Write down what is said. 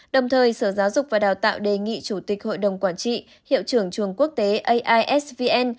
đồng thời sở giáo dục và đào tạo đề nghị chủ tịch hội đồng quản trị hiệu trưởng trường quốc tế aisvn